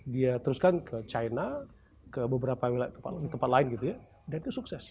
dia teruskan ke china ke beberapa tempat lain gitu ya dan itu sukses